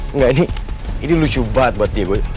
enggak ini ini lucu banget buat dia bu